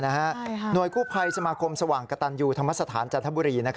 หน่วยกู้ภัยสมาคมสว่างกระตันยูธรรมสถานจันทบุรี